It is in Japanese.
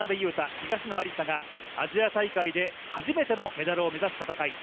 東野有紗がアジア大会で初めてのメダルを目指す戦い。